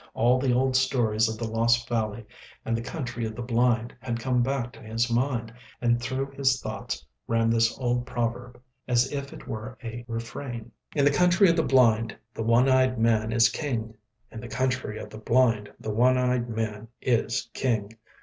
All the old stories of the lost valley and the Country of the Blind had come back to his mind, and through his thoughts ran this old proverb, as if it were a refrain:— "In the Country of the Blind the One Eyed Man is King." "In the Country of the Blind the One Eyed Man is King."